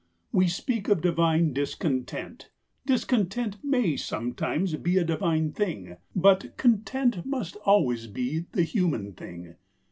We speak of divine discontent; discontent may sometimes be a divine thing, but content must always be the human thing.